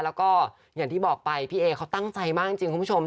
แล้วก็อย่างที่บอกไปพี่เอเขาตั้งใจมากจริงคุณผู้ชม